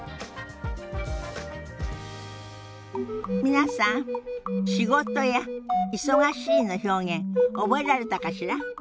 皆さん「仕事」や「忙しい」の表現覚えられたかしら。